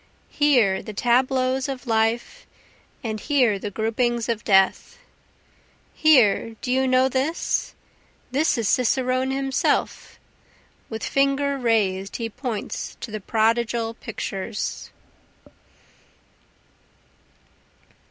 Here the tableaus of life, and here the groupings of death; Here, do you know this? this is cicerone himself, With finger rais'd he points to the prodigal pictures.